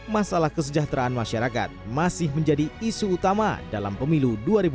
masalah kesejahteraan masyarakat masih menjadi isu utama dalam pemilu dua ribu dua puluh